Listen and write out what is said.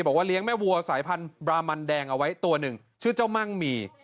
เลี้ยงแม่วัวสายพันธุ์บรามันแดงเอาไว้ตัวหนึ่งชื่อเจ้ามั่งมี